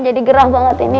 jadi gerah banget ini